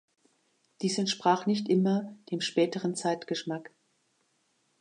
Dies entsprach nicht immer dem späteren Zeitgeschmack.